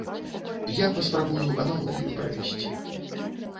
Я паспрабую аналогію правесці.